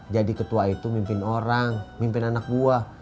jadi ketua itu mimpin orang mimpin anak buah